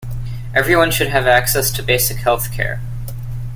Everyone should have access to basic health-care.